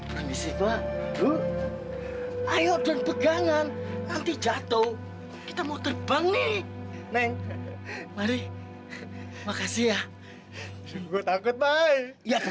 permisi gua ayo dan pegangan nanti jatuh kita mau terbang nih neng mari makasih ya